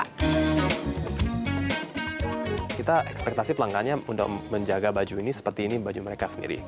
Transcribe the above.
kita ekspektasi pelanggannya untuk menjaga baju ini seperti ini baju mereka sendiri